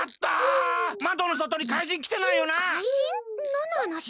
なんのはなし？